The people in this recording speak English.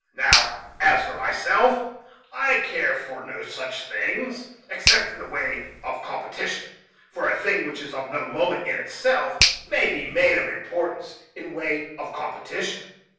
Now, as for myself, I care for no such things, except in the way of competition; for a thing which is of no moment in itself may be made of importance in the way of competition.